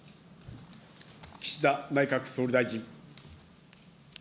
岸田内閣総理大臣。